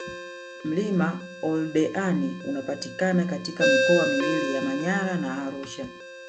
Mlima Oldeani unaopatikana katika mikoa miwili ya Manyara na Arusha